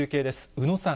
宇野さん。